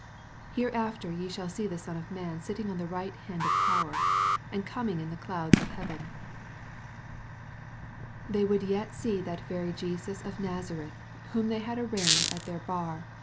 " Hereafter ye shall see the Son of Man sitting on the right hand of power, and coming in the clouds of fieayei^/' They would yet see that very Jesus of Naza « f eth, whQm tljey had arraigned at their bar.